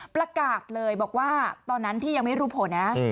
ประกาศเลยบอกว่าตอนนั้นที่ยังไม่รู้ผลนะ